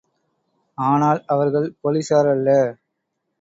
ஆனால் அவர்கள் போலீசார் அல்ல.